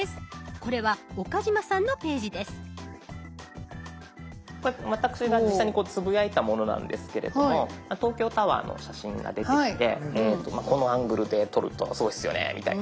これは私が実際につぶやいたものなんですけれども東京タワーの写真が出てきてこのアングルで撮るとすごいっすよねみたいな。